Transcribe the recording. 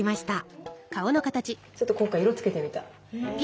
ちょっと今回色つけてみた。